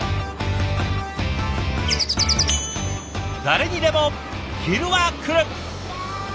誰にでも昼はくる。